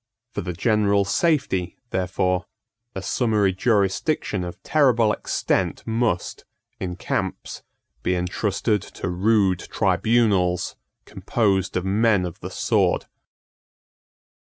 For the general safety, therefore, a summary jurisdiction of terrible extent must, in camps, be entrusted to rude tribunals composed of men of the sword.